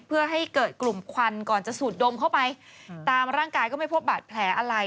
เพื่อให้เกิดกลุ่มควันก่อนจะสูดดมเข้าไปตามร่างกายก็ไม่พบบาดแผลอะไร